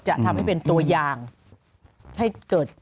จะทำให้เป็นตัวอย่างให้เกิด